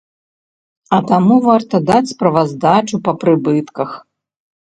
А таму варта даць справаздачу па прыбытках.